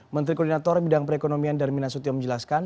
menteri koordinator bidang perekonomian darmina sutio menjelaskan